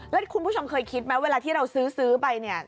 แล้วคุณผู้ชมเคยคิดไหมเวลาที่เราซื้อไปเนี่ย